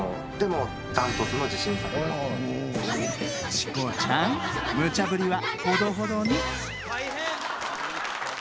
チコちゃんムチャぶりはほどほどに。